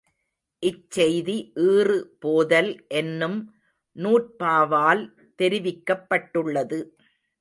இச்செய்தி ஈறு போதல் என்னும் நூற்பாவால் தெரிவிக்கப்பட்டுள்ளது.